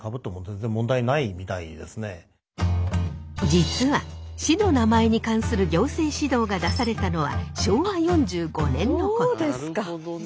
実は市の名前に関する行政指導が出されたのは昭和４５年のこと。